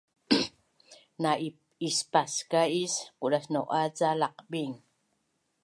Na ispaska’is qudasnau’az ca laqbing